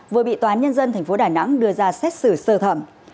vừa bị toán nhân dân thành phố đài nẵng đưa ra xét xử sơ thẩm